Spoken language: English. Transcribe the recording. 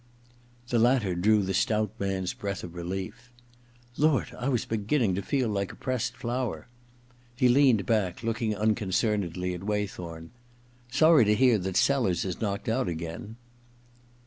The latter drew the stout man's breath of relief. * Lord — I was beginning to feel like a pressed flower.' He leaned back, looking un concernedly at Waythorn. * Sorry to hear that Sellers is knocked out again.'